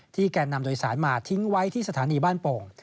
แก่นำโดยสารมาทิ้งไว้ที่สถานีบ้านโป่ง